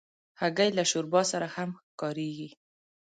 هګۍ له شوربا سره هم کارېږي.